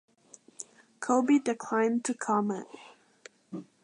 Coby declined to comment.